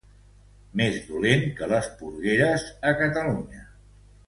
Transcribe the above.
Més dolent que les porgueres a Catalunya.